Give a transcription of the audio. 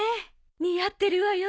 似合ってるわよ。